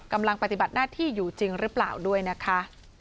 กำลังปฏิบัติหน้าที่อยู่จริงหรือเปล่าด้วยนะคะ